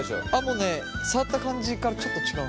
もうね触った感じからちょっと違うのよ。